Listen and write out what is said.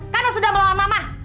karena sudah melawan mama